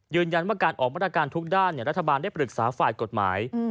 ยืนยันว่าการออกมาตรการทุกด้านรัฐบาลได้ปรึกษาฝ่ายกฎหมาย